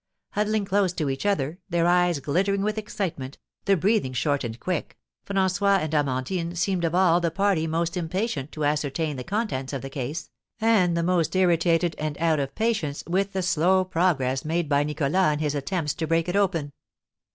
Huddling close to each other, their eyes glittering with excitement, the breathing short and quick, François and Amandine seemed of all the party most impatient to ascertain the contents of the case, and the most irritated and out of patience with the slow progress made by Nicholas in his attempts to break it open.